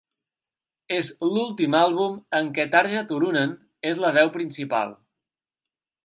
És l'ultim àlbum en què Tarja Turunen és la veu principal.